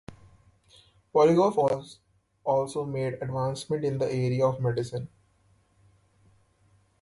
Pirogov also made advancements in other areas of medicine.